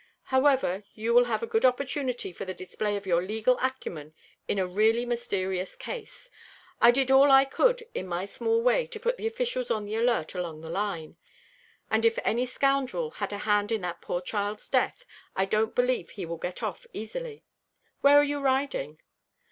However, you will have a good opportunity for the display of your legal acumen in a really mysterious case. I did all I could in my small way to put the officials on the alert along the line; and if any scoundrel had a hand in that poor child's death, I don't believe he will get off easily. Where are you riding?"